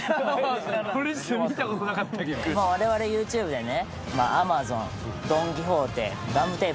我々ＹｏｕＴｕｂｅでね。